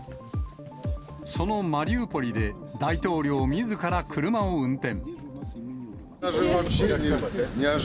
そのマリウポリで、大統領みずから車を運転。